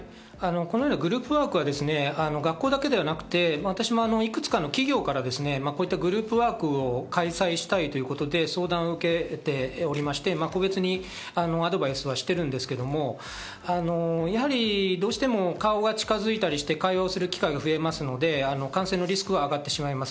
グループワークは学校だけではなくて私もいくつかの企業からこういったグループワークを開催したいということで相談を受けておりまして、個別にアドバイスはしてるんですけど、やはりどうしても顔が近づいたりして会話をする機会が増えますので感染のリスクは上がってしまいます。